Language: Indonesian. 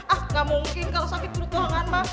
ah gak mungkin kalau sakit perut doangan mak